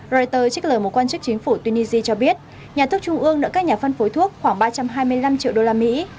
reuters trích lời một quan chức chính phủ tunisia cho biết nhà thuốc trung ương nợ các nhà phân phối thuốc khoảng ba trăm hai mươi năm triệu usd